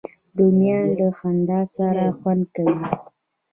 رومیان له خندا سره خوند کوي